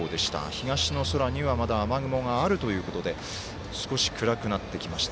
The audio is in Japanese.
東の空にはまだ雨雲があるということで少し暗くなってきました。